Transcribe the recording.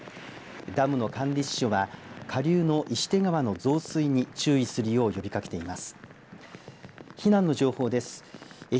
ダムの管理支所は下流の石手川の増水に注意するよう呼びかけています。